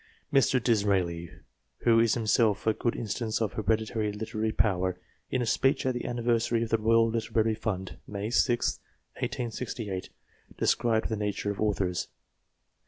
Mr. Disraeli, who is himself a good instance of hereditary literary power, in a speech at the anniversary of the Royal Literary Fund, May 6, 1868, described the nature of authors.